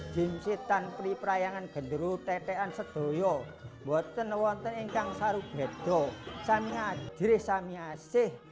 jim sitan pri prayangan gendro tetean sedoyo buat tenor tenor yang saru bedo samadri samiasih